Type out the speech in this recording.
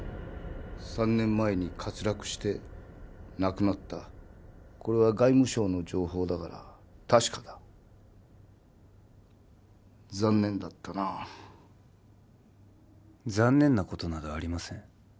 ３年前に滑落して亡くなったこれは外務省の情報だから確かだ残念だったな残念なことなどありません